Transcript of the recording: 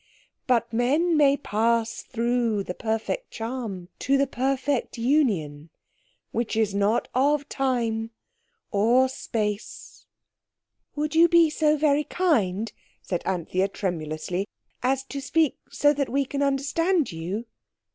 But men may pass through the perfect charm to the perfect union, which is not of time or space." "Would you be so very kind," said Anthea tremulously, "as to speak so that we can understand you?